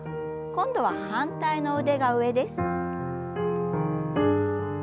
今度は反対の腕が上です。